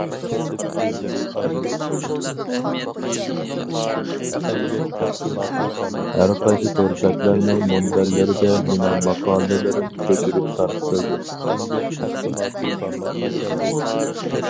ھەرقايسى تور بەتلەرنىڭ مۇنبەرلىرىدە مېنىڭ ماقالىلىرىم كۆچۈرۈپ تارقىتىلدى.